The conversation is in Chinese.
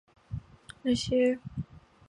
这些学习也促成他前往日本旅行。